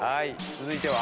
続いては？